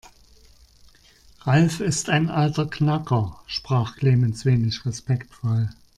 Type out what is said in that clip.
Ralf ist ein alter Knacker, sprach Clemens wenig respektvoll.